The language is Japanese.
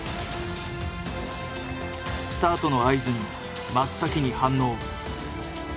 スタートの合図に真っ先に反応。